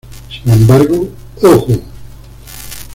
Sin embargo, ¡Ojo!